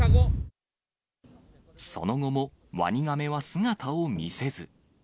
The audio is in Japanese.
その後も、ワニガメは姿を見せず。